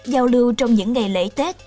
giao lưu trong những ngày lễ tết